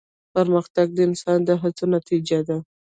پرمختګ د انسان د هڅو نتیجه ده.